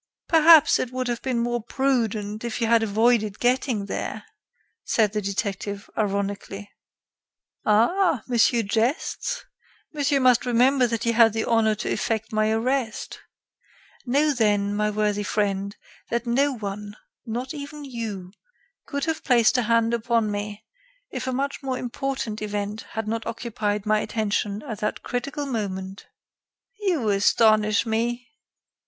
"Perhaps it would have been more prudent if you had avoided getting there," said the detective, ironically. "Ah! monsieur jests? Monsieur must remember that he had the honor to effect my arrest. Know then, my worthy friend, that no one, not even you, could have placed a hand upon me if a much more important event had not occupied my attention at that critical moment." "You astonish me."